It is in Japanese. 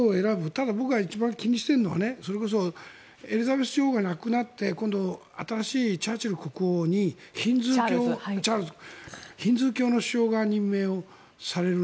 ただ、一番僕が気にしているのはそれこそエリザベス女王が亡くなって今度、新しいチャールズ国王にヒンドゥー教の首相が任命される